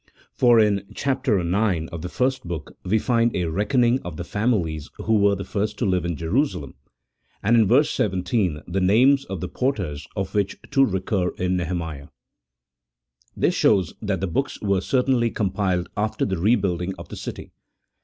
1 For in chap. ix. of the first book we find a reckon ing of the families who were the first to live in Jerusalem, and in verse 17 the names of the porters, of which two recur in Nehemiah. This shows that the books were cer tainly compiled after the rebuilding of the city.